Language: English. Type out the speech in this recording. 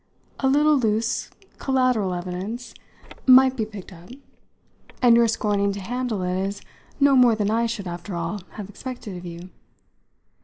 A little loose collateral evidence might be picked up; and your scorning to handle it is no more than I should, after all, have expected of you."